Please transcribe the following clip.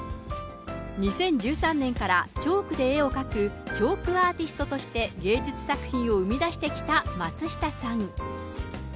２０１３年から、チョークで絵を描くチョークアーティストとして芸術作品を生み出してきた松下さん。